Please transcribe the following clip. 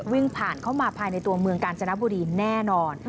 วิ่งผ่านเข้ามาภายในตัวเมืองกาญจนบุรีแน่นอน